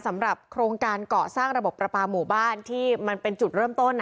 สำหรับโครงการเกาะสร้างระบบประปาหมู่บ้านที่มันเป็นจุดเริ่มต้น